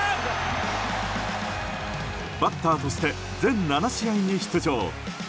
バッターとして全７試合に出場。